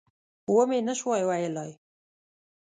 ومې نه شوای ویلای.